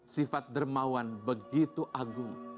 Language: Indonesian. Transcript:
sifat dermawan begitu agung